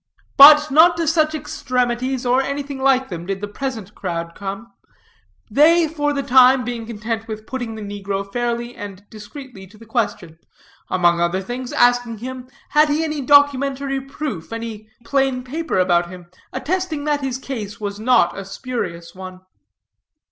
But not to such extremities, or anything like them, did the present crowd come; they, for the time, being content with putting the negro fairly and discreetly to the question; among other things, asking him, had he any documentary proof, any plain paper about him, attesting that his case was not a spurious one.